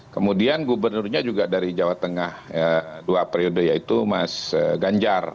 kemudian gubernurnya juga dari jawa tengah dua periode yaitu mas ganjar